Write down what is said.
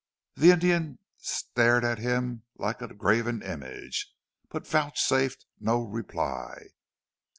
The Indian stared at him like a graven image, but vouchsafed no reply.